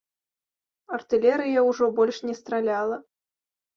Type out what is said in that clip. Артылерыя ўжо больш не страляла.